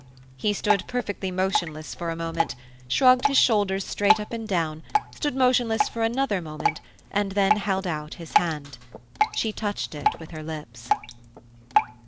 He stood perfectly motionless for a moment, shrugged his shoulders straight up and down, stood motionless for another moment, and then held out his hand. She touched it with her lips.